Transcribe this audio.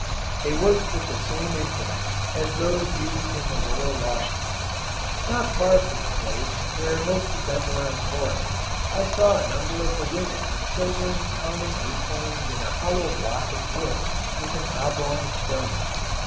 They worked with the same implements as those used in the lower washings. Not far from the place where most of them were employed, I saw a number of the women and children pounding acorns in a hollow block of wood with an oblong stone.